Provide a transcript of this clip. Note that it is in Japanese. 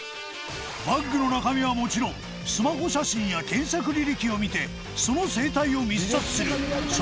バッグの中身はもちろんスマホ写真や検索履歴を見てその生態を密撮する